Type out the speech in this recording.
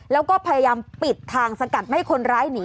แล้วก็พยายามปิดทางสกัดไม่คนร้ายหนี